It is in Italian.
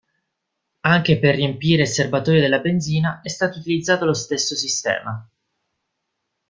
Anche per riempire il serbatoio della benzina è stato utilizzato lo stesso sistema.